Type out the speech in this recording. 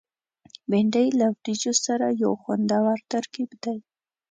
بېنډۍ له وریجو سره یو خوندور ترکیب دی